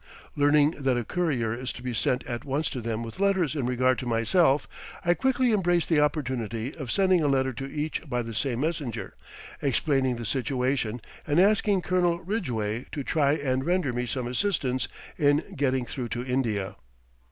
Learning that a courier is to be sent at once to them with letters in regard to myself, I quickly embrace the opportunity of sending a letter to each by the same messenger, explaining the situation, and asking Colonel Ridgeway to try and render me some assistance in getting through to India.